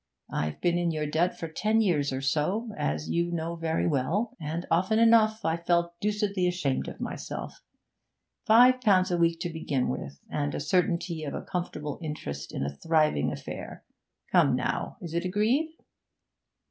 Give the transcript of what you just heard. I've been in your debt for ten years or so, as you know very well, and often enough I've felt deucedly ashamed of myself. Five pounds a week to begin with, and a certainty of a comfortable interest in a thriving affair! Come, now, is it agreed?'